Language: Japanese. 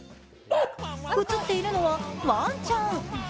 映っているのはワンちゃん。